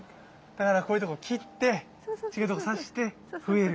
だからこういうところ切って違うところ挿して増える？